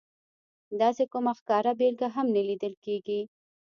داسې کومه ښکاره بېلګه هم نه لیدل کېږي.